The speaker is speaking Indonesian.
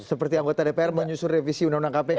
seperti anggota dpr menyusun revisi undang undang kpk